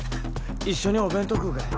一緒にお弁当食うがい？